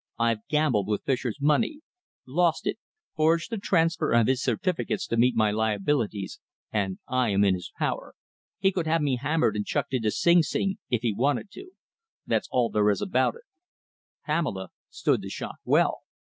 "I've gambled with Fischer's money, lost it, forged a transfer of his certificates to meet my liabilities, and I am in his power. He could have me hammered and chucked into Sing Sing, if he wanted to. That's all there is about it." Pamela stood the shock well.